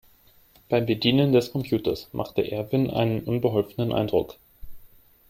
Beim Bedienen des Computers machte Erwin einen unbeholfenen Eindruck.